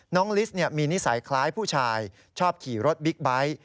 ลิสมีนิสัยคล้ายผู้ชายชอบขี่รถบิ๊กไบท์